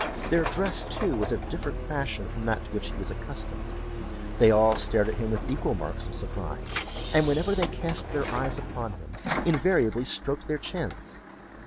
Their dress, too, was of a different fashion from that to which he was accustomed. They all stared at him with equal marks of surprise, and whenever they cast their eyes upon him, invariably stroked their chins.